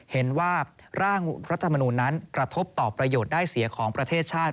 เห็นว่าร่างรัฐมนูลนั้นกระทบต่อประโยชน์ได้เสียของประเทศชาติ